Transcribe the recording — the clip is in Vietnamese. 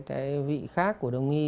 cái vị khác của đồng nghi